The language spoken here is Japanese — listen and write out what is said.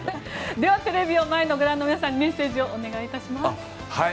では、テレビをご覧の皆さんにメッセージをお願いします。